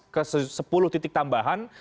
ke sepuluh titik tambahan